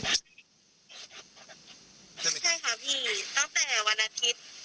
ใช่ค่ะพี่ตั้งแต่วันอาทิตย์